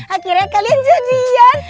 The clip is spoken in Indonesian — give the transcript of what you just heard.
akhirnya kalian jadian